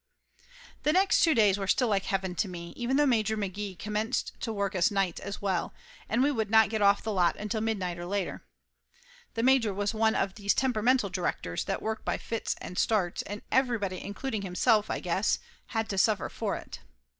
The next two days were still like heaven to me, even though Major McGee commenced to work us nights as well, and we would not get off the lot until midnight or later. The major was one of these tem peramental directors that work by fits and starts, and everybody including himself, I guess, had to suffer for it.